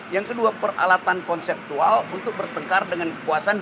yang kedua peralatan konseptual untuk bertengkar dengan kekuasaan